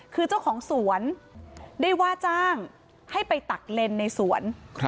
คือเจ้าของสวนได้ว่าจ้างให้ไปตักเลนในสวน